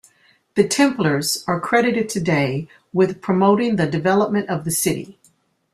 The Templers are credited today with promoting the development of the city.